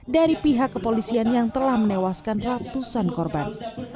dari pihak kepolisian yang telah menewaskan ratusan korban